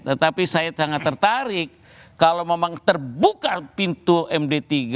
tetapi saya sangat tertarik kalau memang terbuka pintu md tiga